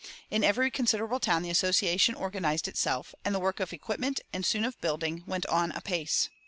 In every considerable town the Association organized itself, and the work of equipment, and soon of building, went on apace.